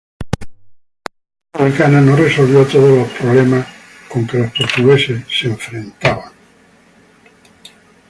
La revolución republicana no resolvió todos los problemas con que los portugueses se enfrentaban.